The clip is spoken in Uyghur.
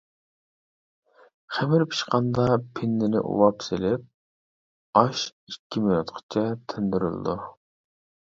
خېمىر پىشقاندا پىننىنى ئۇۋاپ سېلىپ، ئاش ئىككى مىنۇتقىچە تىندۇرۇلىدۇ.